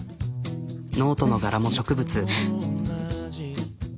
ノートの柄も植物。